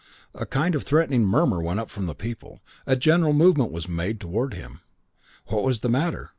A kind of threatening murmur went up from the people. A general movement was made towards him. What was the matter?